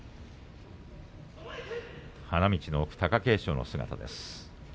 花道の奥は貴景勝の姿。